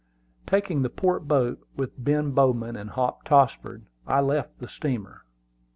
Taking the port boat, with Ben Bowman and Hop Tossford, I left the steamer.